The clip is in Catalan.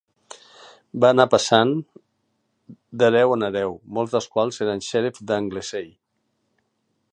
Va anar passant d'hereu en hereu, molts dels quals eren Xèrif d'Anglesey.